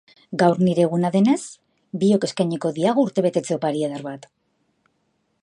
Gaur hire eguna denez, biok eskainiko diagu urtebetze opari eder bat.